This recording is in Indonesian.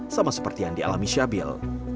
sama seperti yang dialami syabil